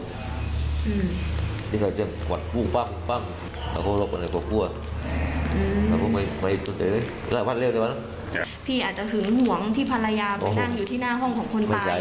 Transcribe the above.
พี่อาจจะหึงห่วงที่ภรรยาไปนั่งอยู่ที่หน้าห้องของคนตาย